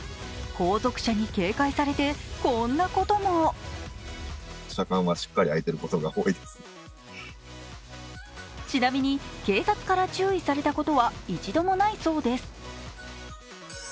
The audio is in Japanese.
後続車に警戒されて、こんなこともちなみに警察から注意されたことは一度もないそうです。